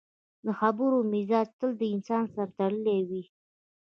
د خبرو مزاج تل د انسان سره تړلی وي